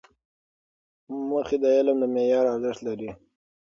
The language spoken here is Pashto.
موخې د علم د معیار ارزښت لري.